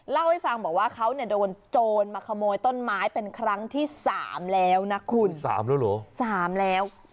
เล่าให้ฟังบอกว่าเขาเนี่ยโดนโจรมาขโมยต้นไม้เป็นครั้งที่สามแล้วนะคุณสามแล้วเหรอสามแล้ว